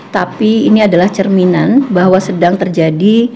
tapi ini adalah cerminan bahwa sedang terjadi